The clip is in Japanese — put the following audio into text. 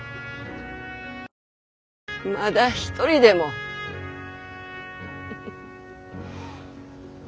まだ一人でもフフフ。